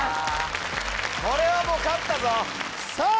これはもう勝ったぞさあ